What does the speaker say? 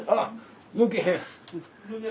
抜けへん。